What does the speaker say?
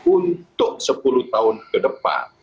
untuk sepuluh tahun ke depan